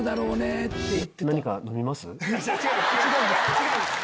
違うんです。